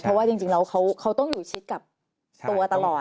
เพราะว่าจริงเขาต้องอยู่ชิดกับตัวตลอดใช่ไหม